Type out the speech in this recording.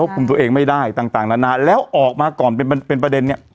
คุมตัวเองไม่ได้ต่างนานาแล้วออกมาก่อนเป็นเป็นประเด็นเนี่ย